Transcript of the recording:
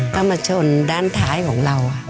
ก็มาชนด้านท้ายของเรา